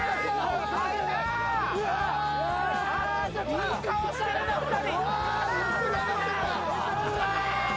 いい顔してるな、２人。